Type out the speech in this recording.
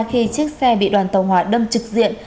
khi chiếc xe bị đoàn tàu hỏa đâm trực diện